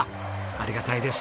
ありがたいです。